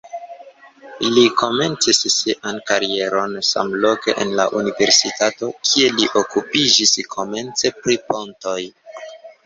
Li komencis sian karieron samloke en la universitato, kie li okupiĝis komence pri pontoj.